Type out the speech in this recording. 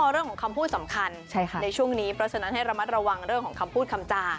เรื่องของคำพูดสำคัญในช่วงนี้เพราะฉะนั้นให้ระมัดระวังเรื่องของคำพูดคำจา